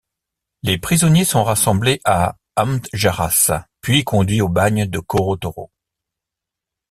Les prisonniers sont rassemblés à Amdjarass, puis conduits au bagne de Koro Toro.